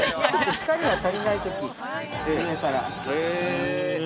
◆光りが足りないとき上から。